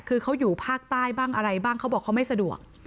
คือเขาอยู่ภาคใต้บ้างอะไรบ้างเขาบอกเขาไม่สะดวก